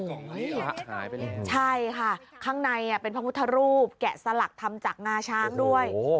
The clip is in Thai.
หายไปแล้วใช่ค่ะข้างในเป็นพระพุทธรูปแกะสลักทำจากงาช้างด้วย